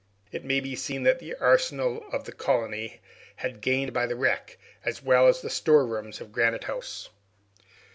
It may be seen that the arsenal of the colony had gained by the wreck, as well as the storerooms of Granite House.